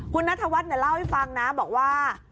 คุณนัทวัฒน์เล่าให้ฟังนะบอกว่า